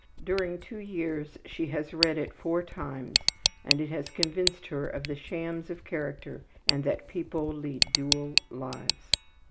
During two years she has read it four times and it has convinced her of the shams of character and that people lead dual lives.